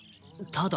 ただ？